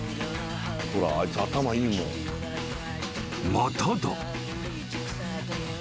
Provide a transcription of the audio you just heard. ［まただ］